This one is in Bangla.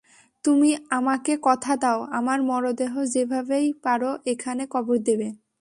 তুমি আমাকে কথা দাও, আমার মরদেহ যেভাবেই পারো এখানে কবর দেবে।